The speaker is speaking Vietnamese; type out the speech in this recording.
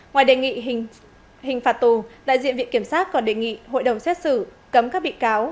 ngoài đề nghị hình phạt tù đại diện viện kiểm sát còn đề nghị hội đồng xét xử cấm các bị cáo